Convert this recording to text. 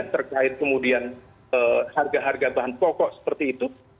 terkait kemudian harga harga bahan pokok seperti itu